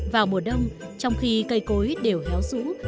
vào mùa đông trong khi cây cối đều héo rũ